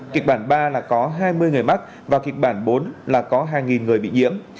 kịch bản ba là có hai mươi người mắc và kịch bản bốn là có hai người bị nhiễm